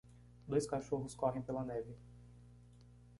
Dois cachorros correm pela neve.